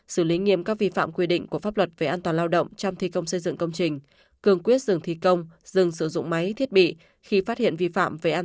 xử lý nghiêm các vi phạm quy định của pháp luật về an toàn lao động trong thi công xây dựng công trình